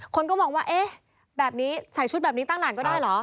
คนก็มองว่าเอ๊ะแบบนี้ใส่ชุดแบบนี้ตั้งด่านก็ได้เหรอ